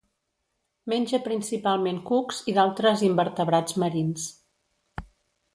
Menja principalment cucs i d'altres invertebrats marins.